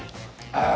ああ。